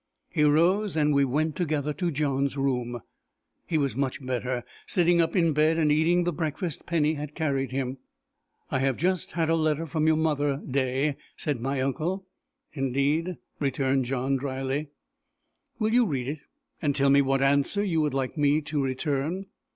He rose, and we went together to John's room. He was much better sitting up in bed, and eating the breakfast Penny had carried him. "I have just had a letter from your mother, Day," said my uncle. "Indeed!" returned John dryly. "Will you read it, and tell me what answer you would like me to return."